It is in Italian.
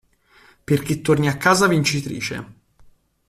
Perché torni a casa vincitrice.